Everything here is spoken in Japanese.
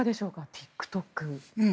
ＴｉｋＴｏｋ。